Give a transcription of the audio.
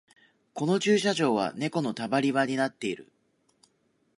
この駐車場はネコのたまり場になってる